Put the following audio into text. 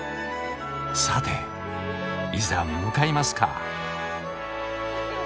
さていざ向かいますか。